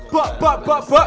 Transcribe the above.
bapak bapak bapak